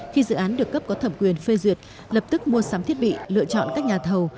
khi dự án được cấp có thẩm quyền phê duyệt lập tức mua sắm thiết bị lựa chọn các nhà thầu